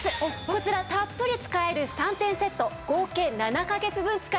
こちらたっぷり使える３点セット合計７カ月分使えます。